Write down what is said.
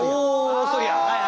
オーストリア。